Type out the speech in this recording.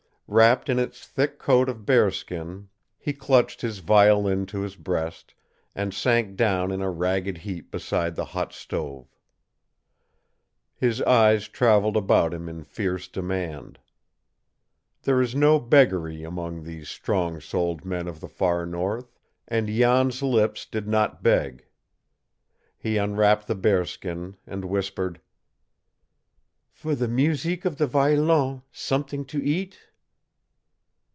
Wrapped in its thick coat of bearskin he clutched his violin to his breast, and sank down in a ragged heap beside the hot stove. His eyes traveled about him in fierce demand. There is no beggary among these strong souled men of the far North, and Jan's lips did not beg. He unwrapped the bearskin, and whispered: "For the museek of the violon somet'ing to eat!"